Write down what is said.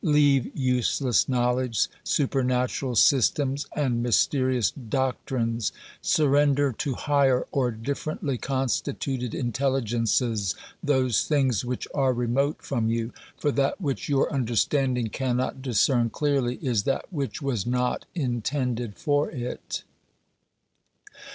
Leave useless knowledge, supernatural systems and mysterious doctrines. Surrender to higher or differ ently constituted intelligences those things which are remote from you, for that which your understanding cannot discern clearly is that which was not intended for it.